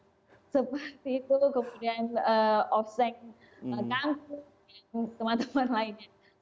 iya seperti itu kemudian off seng kampung teman teman lainnya